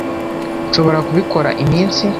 Nshobora kubikora iminsi.